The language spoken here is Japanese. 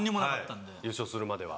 はい優勝するまでは。